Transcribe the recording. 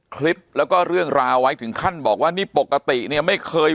คลิปแล้วก็เรื่องราวไว้ถึงขั้นบอกว่านี่ปกติเนี่ยไม่เคย